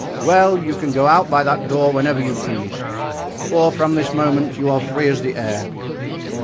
"Well, you can go out by that door whenever you please; for from this moment you are free as the air."